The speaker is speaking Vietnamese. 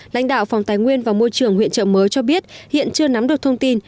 lãnh đạo phòng tài nguyên và môi trường huyện trợ mới cho biết hiện chưa nắm được thông tin